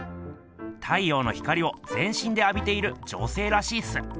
太陽の光をぜんしんであびている女性らしいっす。